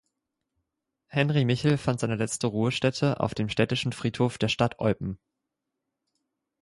Henri Michel fand seine letzte Ruhestätte auf dem städtischen Friedhof der Stadt Eupen.